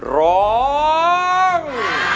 ร้อง